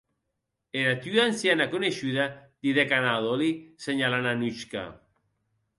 Era tua anciana coneishuda, didec Anna a Dolly, senhalant a Anuchka.